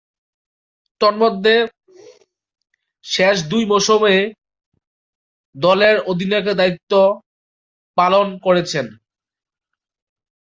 তন্মধ্যে, শেষ দুই মৌসুমে দলের অধিনায়কের দায়িত্ব পালন করেছেন।